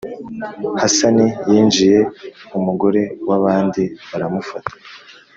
hasani yinjiye umugore wa bandi baramufata